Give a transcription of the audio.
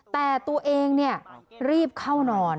แต่ตัวเองรีบเข้านอน